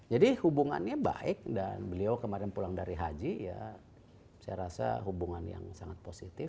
jadi hubungannya baik dan beliau kemarin pulang dari haji ya saya rasa hubungan yang sangat positif